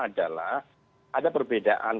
adalah ada perbedaan